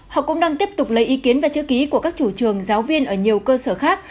họ cũng đang tiếp tục lấy ý kiến và chữ ký của các chủ trường giáo viên ở nhiều cơ sở khác